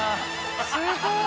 すごい。